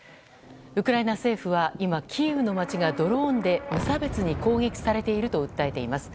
ウクライナ政府は今、キーウの街がドローンで無差別に攻撃されていると訴えています。